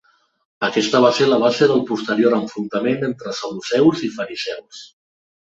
Aquesta va ser la base del posterior enfrontament entre Saduceus i Fariseus.